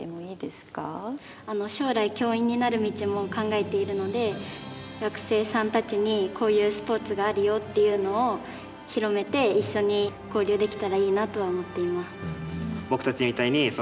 将来教員になる道も考えているので学生さんたちにこういうスポーツがあるよっていうのを広めて一緒に交流できたらいいなとは思っています。